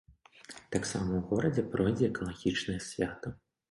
Таксама ў горадзе пройдзе экалагічнае свята.